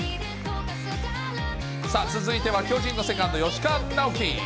さあ続いては巨人のセカンド、吉川なおき。